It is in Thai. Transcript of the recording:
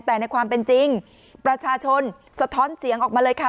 แต่ในความเป็นจริงประชาชนสะท้อนเสียงออกมาเลยค่ะ